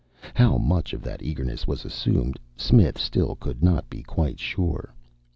How much of that eagerness was assumed Smith still could not be quite sure.